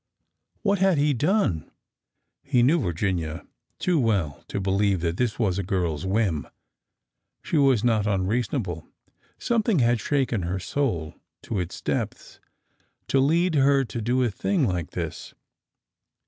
What had he done? He knew Virginia too v/ell to believe that this was a girl's whim— she was not un reasonable something had shaken her soul to its depths to lead her to do a thing like this.